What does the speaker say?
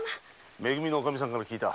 め組のおかみさんから聞いた。